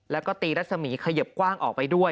แล้วก็ตีรัศมีเขยิบกว้างออกไปด้วย